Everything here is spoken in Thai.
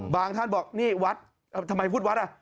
ท่านบอกนี่วัดทำไมพูดวัดอ่ะ